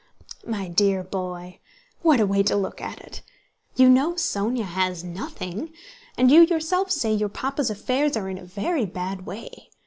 "My dear boy, what a way to look at it! You know Sónya has nothing and you yourself say your Papa's affairs are in a very bad way.